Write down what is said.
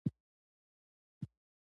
د هېڅ رنځ نه دوا کېږي.